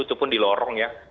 itu pun di lorong ya